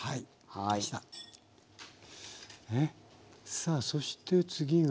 さあそして次が。